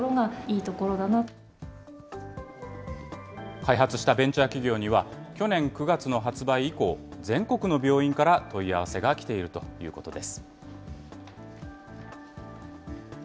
開発したベンチャー企業には、去年９月の発売以降、全国の病院から問い合わせが来ているということです。